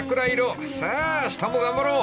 ［さああしたも頑張ろう］